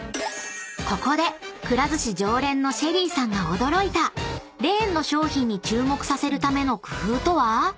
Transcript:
［ここでくら寿司常連のＳＨＥＬＬＹさんが驚いたレーンの商品に注目させるための工夫とは？］